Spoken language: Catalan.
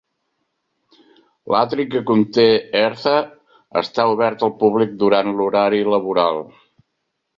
L'atri que conté Eartha està obert al públic durant horari laboral.